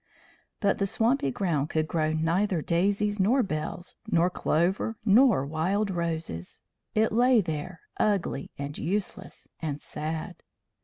But the swampy ground could grow neither daisies nor bells nor clover nor wild roses. It lay there, ugly and useless and sad.